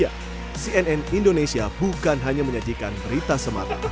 ya cnn indonesia bukan hanya menyajikan berita semata